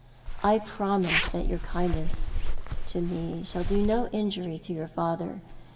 I promise that your kindness to me shall do no injury to your father.